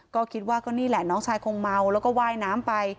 ก็คิดว่าก็นี่แหละน้องชายคงเมาแล้วก็ว่ายน้ำไป